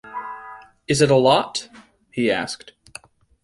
“Is it a lot?” he asked.